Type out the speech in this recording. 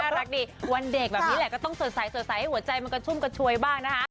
รักดีวันเด็กแบบนี้แหละก็ต้องสดใสให้หัวใจมันกระชุ่มกระชวยบ้างนะคะ